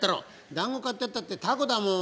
「団子買ってやったって凧だもん。